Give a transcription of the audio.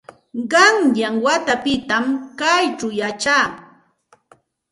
Qanyan watapitam kaćhaw yachaa.